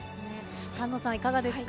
菅野さん、いかがですか。